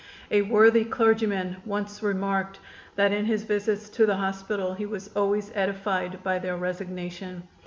A worthy clergyman once remarked that in his visits to the hospital he was always edified by their resignation.